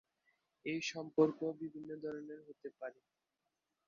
এই সম্পর্ক বিভিন্ন ধরনের হতে পারে।